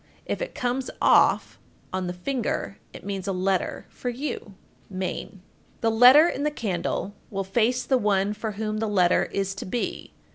If it come off on the finger, it means a letter for you. Maine. 1442. The letter in the candle will face the one for whom the letter is to be.